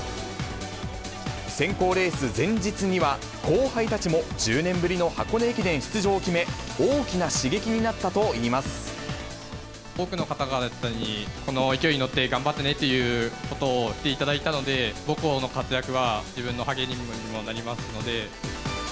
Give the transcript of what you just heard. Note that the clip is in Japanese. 選考レース前日には後輩たちも１０年ぶりの箱根駅伝出場を決め、多くの方々に、この勢いに乗って頑張ってねということを言っていただいたので、母校の活躍は自分の励みにもなりますので。